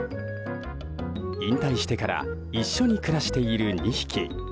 引退してから一緒に暮らしている２匹。